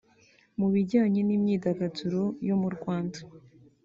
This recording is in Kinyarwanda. Mu bijyanye n’imyidagaduro yo mu Rwanda